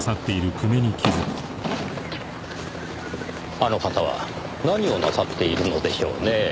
あの方は何をなさっているのでしょうね？